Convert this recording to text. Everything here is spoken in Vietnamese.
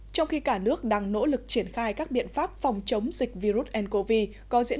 trong khi cả nước đang nỗ lực triển khai các biện pháp phòng chống dịch virus ncov có diễn